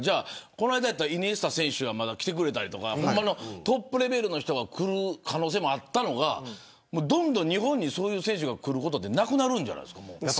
この間はイニエスタ選手が来てくれたりトップレベルの人が来る可能性もあったのがどんどん日本にそういう選手が来ることはなくなるんじゃないですか。